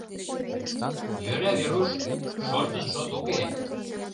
- Йӧра, Веруш, шортын шот уке.